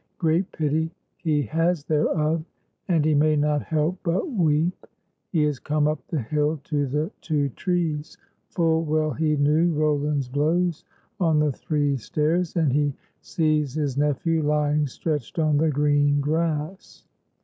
Great pity he has thereof, and he may not help but weep. He has come up the hill to the two trees, full well he knew Roland's blows on the three stairs, and he sees his nephew lying stretched on the green grass.